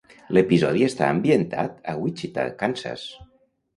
L'episodi està ambientat a Wichita, Kansas.